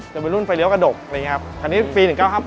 จะเป็นรุ่นไฟเลี้ยวกระดกอันนี้ฟรี๑๙๕๘